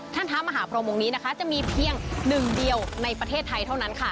เท้ามหาพรมองค์นี้นะคะจะมีเพียงหนึ่งเดียวในประเทศไทยเท่านั้นค่ะ